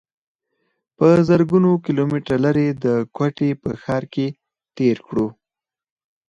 پۀ زرګونو کلومټره لرې د کوټې پۀ ښار کښې تير کړو